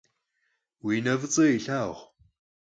Vui ne f'ıç'e yilhağu!